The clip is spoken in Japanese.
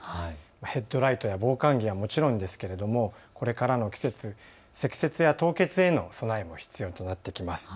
ヘッドライトや防寒具はもちろんですけれどもこれからの季節、積雪や凍結への備えも必要になってきます。